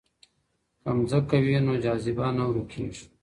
که ځمکه وي نو جاذبه نه ورکیږي.